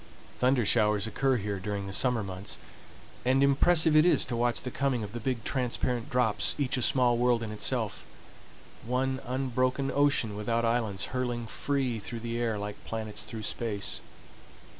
Thunder showers occur here during the summer months, and impressive it is to watch the coming of the big transparent drops, each a small world in itself,—one unbroken ocean without islands hurling free through the air like planets through space.